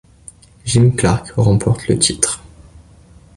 Jim Clark remporte le titre.